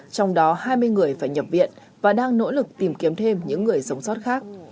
trong đó hai mươi người phải nhập viện và đang nỗ lực tìm kiếm thêm những người sống sót khác